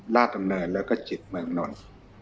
ดำเนินแล้วก็จิตเมืองนนท์